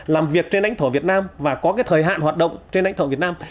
làm việc trên lãnh thổ việt nam và có thời hạn hoạt động trên lãnh thổ việt nam